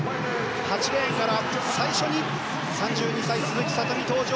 ８レーンから最初に３２歳、鈴木聡美登場。